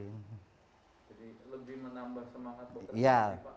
jadi lebih menambah semangat pekerjaan sendiri pak